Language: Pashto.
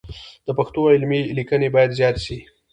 د پښتو علمي لیکنې باید زیاتې سي.